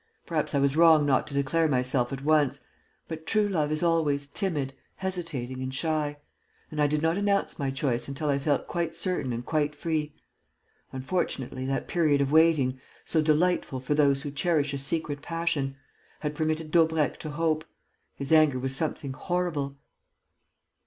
Perhaps I was wrong not to declare myself at once. But true love is always timid, hesitating and shy; and I did not announce my choice until I felt quite certain and quite free. Unfortunately, that period of waiting, so delightful for those who cherish a secret passion, had permitted Daubrecq to hope. His anger was something horrible."